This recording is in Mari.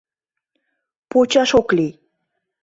Почаш ок лий...